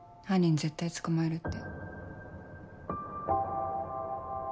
絶対捕まえるって。